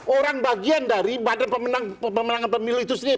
orang bagian dari badan pemenangan pemilu itu sendiri